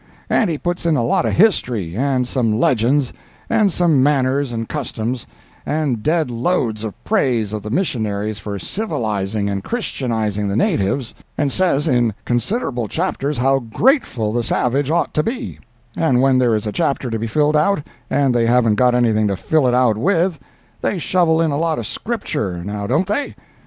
And he puts in a lot of history, and some legends, and some manners and customs, and dead loads of praise of the missionaries for civilizing and Christianizing the natives, and says in considerable chapters how grateful the savage ought to be; and when there is a chapter to be filled out, and they haven't got anything to fill it out with, they shovel in a lot of Scripture—now don't they?